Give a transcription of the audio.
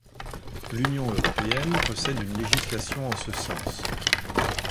L'Union européenne possède une législation en ce sens.